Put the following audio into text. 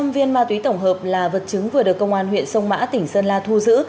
một hai trăm linh viên ma túy tổng hợp là vật chứng vừa được công an huyện sông mã tỉnh sơn la thu giữ